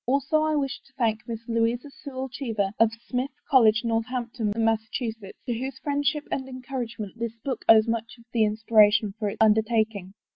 Also I wish to thank Miss Louisa Sewall Cheever, of Smith College, Northampton, Mass., to whose friend ship and encouragement this book owes much of the in spiration for its tmdertaking.